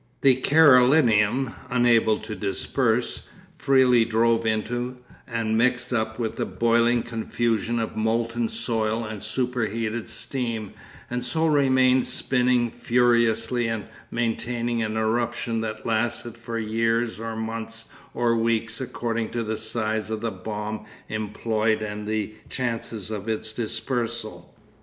The Carolinum, unable to disperse, freely drove into and mixed up with a boiling confusion of molten soil and superheated steam, and so remained spinning furiously and maintaining an eruption that lasted for years or months or weeks according to the size of the bomb employed and the chances of its dispersal.